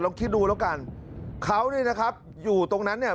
คิดดูแล้วกันเขาเนี่ยนะครับอยู่ตรงนั้นเนี่ย